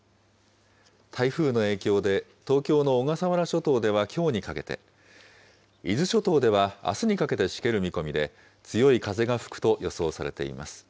台風の影響で、東京の小笠原諸島ではきょうにかけて、伊豆諸島ではあすにかけてしける見込みで、強い風が吹くと予想されています。